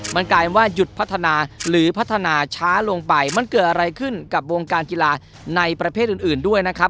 มันกลายว่าหยุดพัฒนาหรือพัฒนาช้าลงไปมันเกิดอะไรขึ้นกับวงการกีฬาในประเภทอื่นด้วยนะครับ